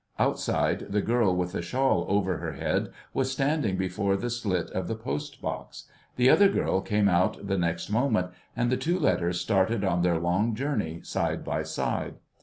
Outside, the girl with the shawl over her head was standing before the slit of the post box; the other girl came out the next moment, and the two letters started on their long journey side by side.